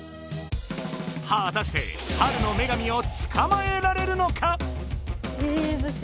はたして春の女神をつかまえられるのか？